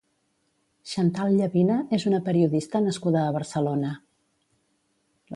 Xantal Llavina és una periodista nascuda a Barcelona.